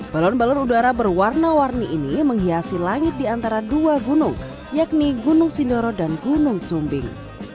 balon balon udara berwarna warni ini menghiasi langit di antara dua gunung yakni gunung sindoro dan gunung sumbing